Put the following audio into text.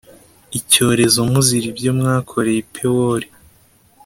icyorezo muzira ibyo mwakoreye i Pewori